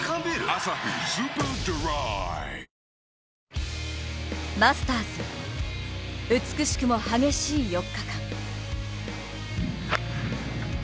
「アサヒスーパードライ」マスターズ、美しくも激しい４日間。